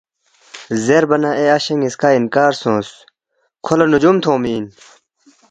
زیربا نہ اے اشے نِ٘یسکا انکار سونگس، ”کھو لہ نجُوم تھونگمی اِن